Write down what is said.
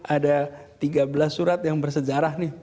ada tiga belas surat yang bersejarah nih